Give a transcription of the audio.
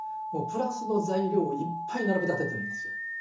もうプラスの材料をいっぱい並べ立ててるんですよ。